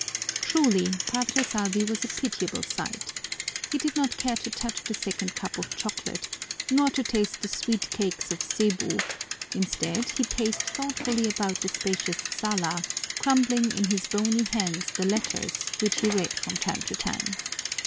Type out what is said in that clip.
Truly, Padre Salvi was a pitiable sight. He did not care to touch the second cup of chocolate nor to taste the sweet cakes of Cebu; instead, he paced thoughtfully about the spacious sala, crumpling in his bony hands the letters, which he read from time to time.